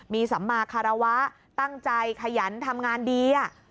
มีสัมมาคารวะตั้งใจขยันทำงานดี